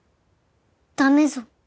駄目ぞ